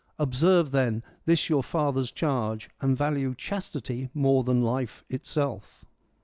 ... Observe, then, this your father's charge, and value chastity more then life itself.